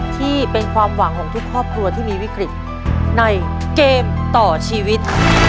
ที่เป็นความหวังของทุกครอบครัวที่มีวิกฤตในเกมต่อชีวิต